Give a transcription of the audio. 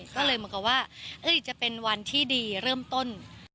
ก็เลยเหมือนกับว่าจะเป็นวันที่ดีเริ่มต้น